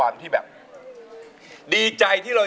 อายุ๒๔ปีวันนี้บุ๋มนะคะ